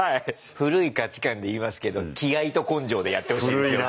古い価値観で言いますけど気合いと根性でやってほしいですよね。